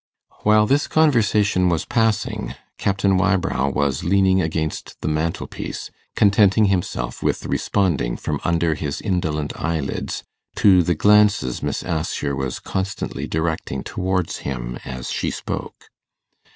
While this conversation was passing, Captain Wybrow was leaning against the mantelpiece, contenting himself with responding from under his indolent eyelids to the glances Miss Assher was constantly directing towards him as she spoke.